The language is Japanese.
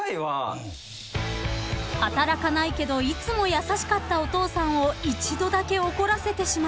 ［働かないけどいつも優しかったお父さんを一度だけ怒らせてしまった］